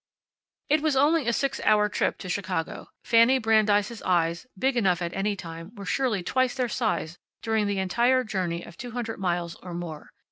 It was only a six hour trip to Chicago. Fanny Brandeis' eyes, big enough at any time, were surely twice their size during the entire journey of two hundred miles or more.